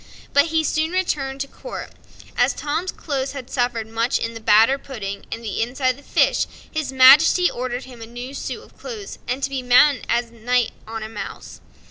But he soon returned to court. As Tom's clothes had suffered much in the batter pudding and the inside of the fish, his Majesty ordered him a new suit of clothes, and to be mounted as a knight on a mouse.